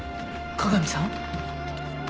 加賀美さん？